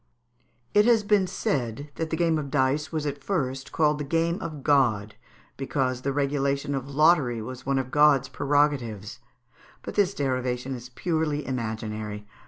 It has been said that the game of dice was at first called the game of God, because the regulation of lottery was one of God's prerogatives; but this derivation is purely imaginary.